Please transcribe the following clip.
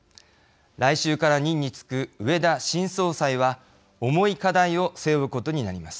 来週から任に就く植田新総裁は重い課題を背負うことになります。